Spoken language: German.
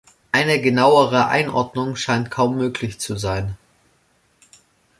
Eine genauere Einordnung scheint kaum möglich zu sein.